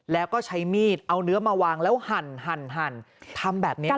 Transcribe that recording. แล้วก็ใช้มีดเอาเนื้อมาวางแล้วหั่นทำแบบนี้